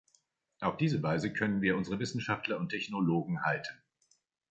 Auf diese Weise können wir unsere Wissenschaftler und Technologen halten.